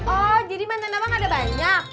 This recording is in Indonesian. oh jadi mantan abang ada banyak